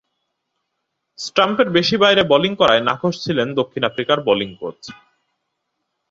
স্টাম্পের বেশি বাইরে বোলিং করায় নাখোশ ছিলেন দক্ষিণ আফ্রিকার বোলিং কোচ।